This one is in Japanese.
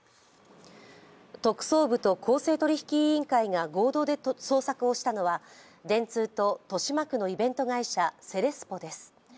特捜部と公正取引委員会が合同で捜索をしたのは電通と豊島区のイベント会社・セレスポです。